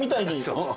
そう。